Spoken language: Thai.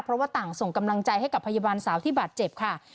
เพราะว่าต่างส่งกำลังใจให้กับพยาบาลสาวที่บาดเจ็บค่ะ